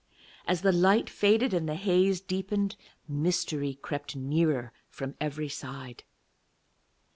As the light faded and the haze deepened, mystery crept nearer from every side.